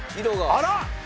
あら！